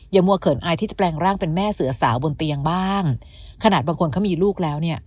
มัวเขินอายที่จะแปลงร่างเป็นแม่เสือสาวบนเตียงบ้างขนาดบางคนเขามีลูกแล้วเนี่ย